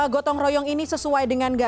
gotong royong ini sesuai dengan